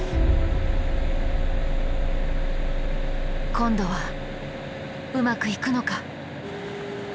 今度はうまくいくのか？